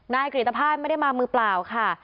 กริตภาษณไม่ได้มามือเปล่าค่ะ